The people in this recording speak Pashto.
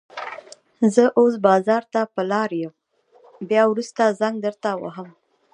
زه اوس بازار ته په لاره يم، بيا وروسته زنګ درته وهم.